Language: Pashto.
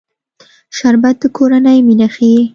شربت د کورنۍ مینه ښيي